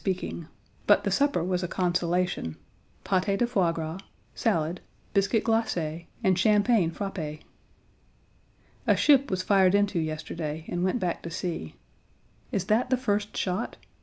Page 31 supper was a consolation pâté de foie gras salad, biscuit glacé and champagne frappé. A ship was fired into yesterday, and went back to sea. Is that the first shot?